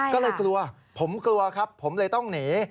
ก็เลยกลัวผมกลัวครับผมเลยต้องหนี